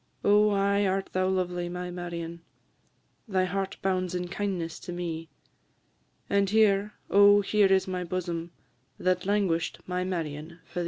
Oh, aye art thou lovely, my Marion, Thy heart bounds in kindness to me; And here, oh, here is my bosom, That languish'd, my Marion, for thee.